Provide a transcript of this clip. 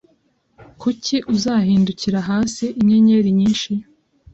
Kuki uzahindukira hasi Inyenyeri nyinshi